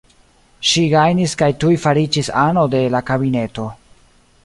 Ŝi gajnis kaj tuj fariĝis ano de la kabineto.